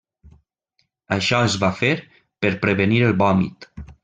Això es fa per prevenir el vòmit.